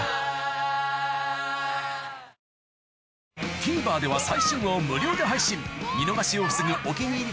ＴＶｅｒでは最新話を無料で配信見逃しを防ぐ「お気に入り」